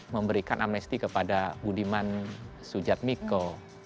memberikan amnesti kepada budiman sujat miko